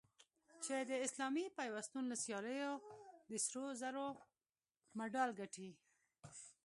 چې د اسلامي پیوستون له سیالیو د سرو زرو مډال ګټي